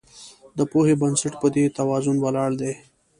د پوهې بنسټ په دې توازن ولاړ دی.